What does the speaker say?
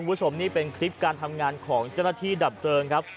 คุณผู้ชมนี่เป็นคลิปการทำงานของเจ้าหน้าที่ดับเพลิงครับ